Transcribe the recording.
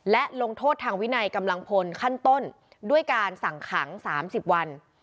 และลงโทษทางวินัยกำลังพลขั้นต้นด้วยการสั่งขัง๓๐วัน